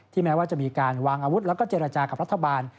แม้ว่าจะมีการวางอาวุธแล้วก็เจรจากับรัฐบาล